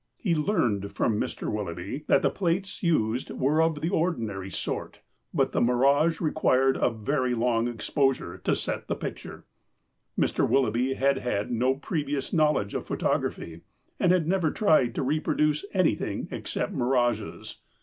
He learned from Mr. Willoughby that the plates used were of the ordinary sort, but that the mirage required a very long exposure to set the x>icture. Mr. Willoughby had had no previous knowledge of photography, and had never tried to reproduce anything except mirages.